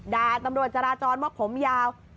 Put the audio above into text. ด่าตำรวจจราจรว่าผมยาว